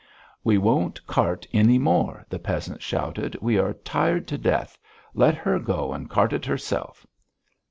"We won't cart any more!" the peasants shouted. "We are tired to death! Let her go and cart it herself!"